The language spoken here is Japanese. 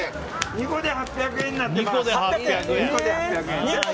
２個で８００円になっています。